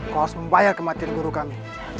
kau harus membayar kematian guru kami